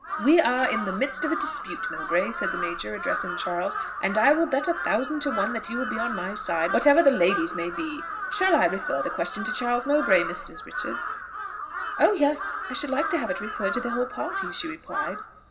"We are in the midst of a dispute, Mowbray," said the major, addressing Charles; "and I will bet a thousand to one that you will be on my side, whatever the ladies may be. Shall I refer the question to Charles Mowbray, Mrs. Richards?" "Oh yes! I shall like to have it referred to the whole party!" she replied.